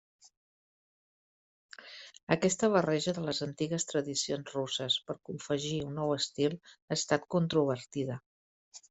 Aquesta barreja de les antigues tradicions russes per confegir un nou estil ha estat controvertida.